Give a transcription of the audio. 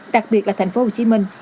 đặc biệt là thành phố hồ chí minh